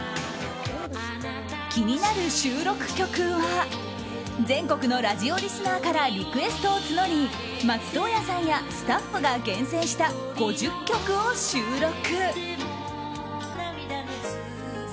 気になる収録曲は全国のラジオリスナーからリクエストを募り松任谷さんやスタッフが厳選した５０曲を収録。